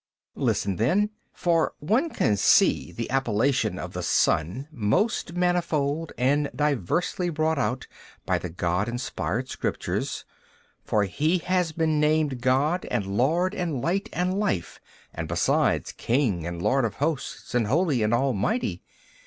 B. Listen then: for one can see the appellation of the Son most manifold and diversely brought out by the God inspired Scriptures, for He has been named God and Lord and Light and Life and besides King and Lord of hosts and Holy and Almighty.